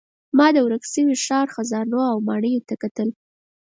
ما د ورک شوي ښار خزانو او ماڼیو ته کتل.